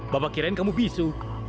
bapak kirain kamu bisu